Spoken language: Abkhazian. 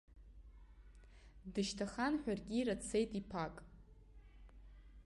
Дышьҭахан, ҳәаркьира дцеит иԥак.